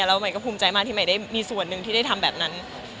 แล้วใหม่ก็ภูมิใจมากที่ใหม่ได้มีส่วนหนึ่งที่ได้ทำแบบนั้น